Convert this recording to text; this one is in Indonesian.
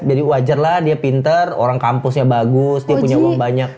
jadi wajar lah dia pinter orang kampusnya bagus dia punya uang banyak